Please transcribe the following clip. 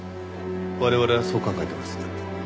我々はそう考えてます。